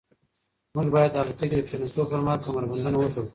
موږ باید د الوتکې د کښېناستو پر مهال کمربندونه وتړو.